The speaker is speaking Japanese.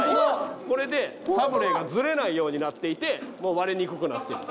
これでサブレーがずれないようになっていて割れにくくなってる。